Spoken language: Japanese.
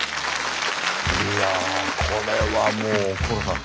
いやこれはもう高良さん